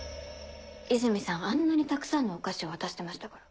泉さんあんなにたくさんのお菓子を渡してましたから。